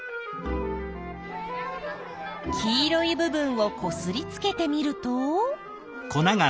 黄色い部分をこすりつけてみると。